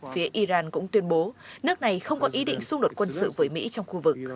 phía iran cũng tuyên bố nước này không có ý định xung đột quân sự với mỹ trong khu vực